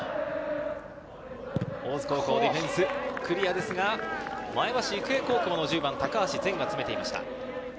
大津高校ディフェンス、クリアですが、前橋育英高校の１０番・高足善が詰めていました。